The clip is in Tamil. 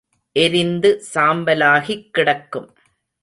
எரிந்து சாம்பலாகிக் கிடக்கும்.